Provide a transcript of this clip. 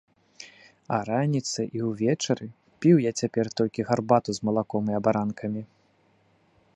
А раніцай і ўвечары піў я цяпер толькі гарбату з малаком і абаранкамі.